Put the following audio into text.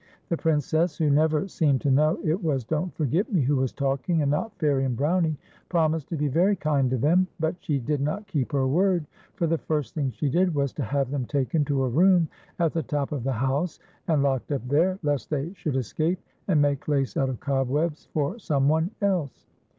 The Princess, who never seemed to know it was Don't Forget Me who was talking, and not Fairie and Brownie, promised to be very kind to them ; but she did not keep her word, for the first thing she did was to have them taken to a room at the top of the house, and locked up there, lest they should escape, and make lace out of cobwebs for some one else.